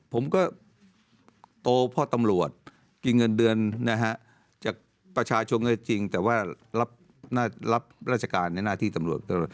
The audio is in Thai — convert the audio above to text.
ผมก็โตเพราะตำรวจกินเงินเดือนนะฮะจากประชาชนก็จริงแต่ว่ารับราชการในหน้าที่ตำรวจ